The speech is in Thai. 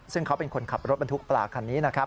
ซึ่งเขาเป็นคนขับรถบรรทุกปลาคันนี้นะครับ